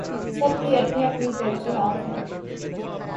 سب کی اپنی اپنی ترجیحات ہیں۔